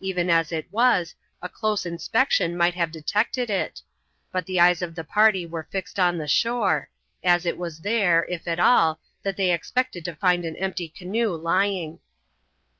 Even as it was, a close inspection might have detected it, but the eyes of the party were fixed on the shore, as it was there, if at all, that they expected to find an empty canoe lying.